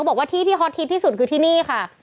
บอกว่าที่ที่ฮอตฮิตที่สุดคือที่นี่ค่ะ